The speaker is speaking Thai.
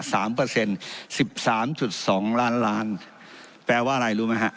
เปอร์เซ็นต์สิบสามจุดสองล้านล้านแปลว่าอะไรรู้ไหมฮะ